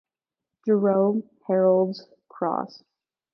Jerome, Harold's Cross.